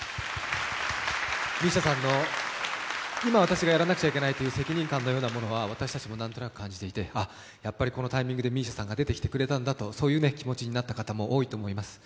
ＭＩＳＩＡさんの、今私がやらなくちゃいけないという責任感のようなものは私たちも感じていてやっぱりこのタイミングでＭＩＳＩＡさんが出てきてくれたんだと感じた方も多いと思います。